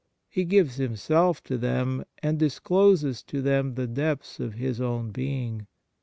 He gives Himself to them and discloses to them the depths of His own Being.